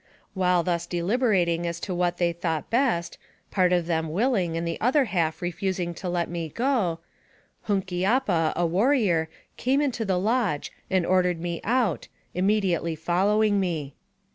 While thus deliberating as to what they thought best part of them willing, the other half refusing to let me go Hunkiapa, a warrior, came into the lodge, and ordered me out, immediately following me.